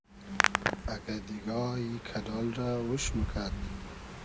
اگۂ دیگا ای کئۮال رۂ اوش موکئد